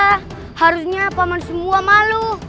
seharusnya pak man semua malu